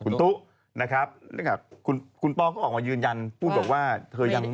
เรากับเขาไม่ได้อย่าง